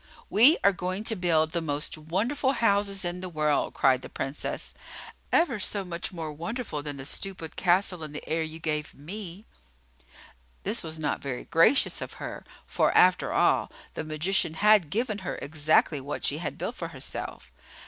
"We are going to build the most wonderful houses in the world," cried the Princess, "ever so much more wonderful than the stupid castle in the air you gave me!" This was not very gracious of her, for, after all, the magician had given her exactly what she had built for herself.